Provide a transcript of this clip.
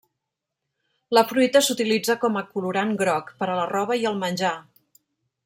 La fruita s'utilitza com a colorant groc, per a la roba i el menjar.